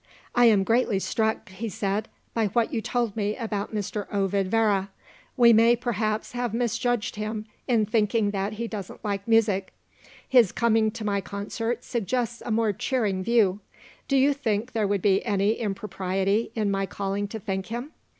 "I am greatly struck," he said, "by what you told me about Mr. Ovid Vere. We may, perhaps, have misjudged him in thinking that he doesn't like music. His coming to my concert suggests a more cheering view. Do you think there would be any impropriety in my calling to thank him?